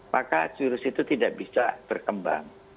maka virus itu tidak bisa berkembang